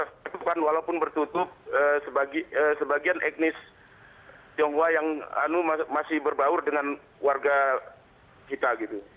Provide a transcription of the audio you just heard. jadi kalau saya sebutkan walaupun bertutup sebagian etnis tionghoa yang masih berbaur dengan warga kita